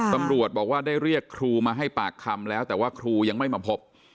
ตำรวจบอกว่าได้เรียกครูมาให้ปากคำแล้วแต่ว่าครูยังไม่มาพบ